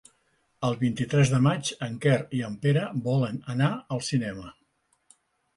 El vint-i-tres de maig en Quer i en Pere volen anar al cinema.